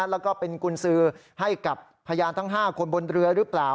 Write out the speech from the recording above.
แล้วก็เป็นกุญสือให้กับพยานทั้ง๕คนบนเรือหรือเปล่า